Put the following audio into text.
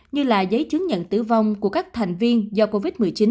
như là giấy chứng nhận tử vong của các thành viên do covid một mươi chín